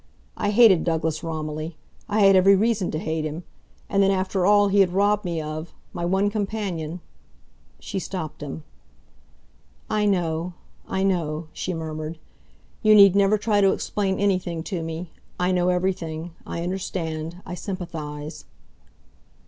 I hated Douglas Romilly. I had every reason to hate him. And then, after all he had robbed me of my one companion " She stopped him. "I know I know," she murmured. "You need never try to explain anything to me. I know everything, I understand, I sympathise."